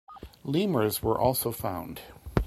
Lemurs were also found.